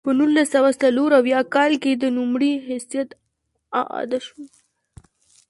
په نولس سوه څلور اویا کال کې د نوموړي حیثیت اعاده شو.